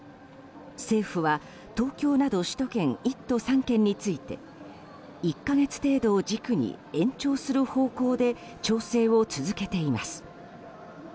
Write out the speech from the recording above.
政府は東京など首都圏１都３県について１か月程度を軸に延長する方向で調整を続けています。